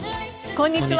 こんにちは。